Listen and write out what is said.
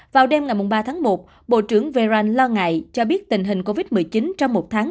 vào đêm ngày ba tháng một bộ trưởng verat lo ngại cho biết tình hình covid một mươi chín trong một tháng